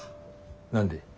何で？